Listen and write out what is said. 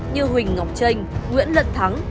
như huỳnh ngọc tranh nguyễn lận thắng